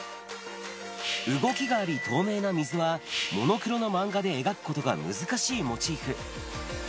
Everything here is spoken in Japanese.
動きがあり、透明な水は、モノクロの漫画で描くことが難しいモチーフ。